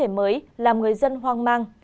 biến thể mới làm người dân hoang mang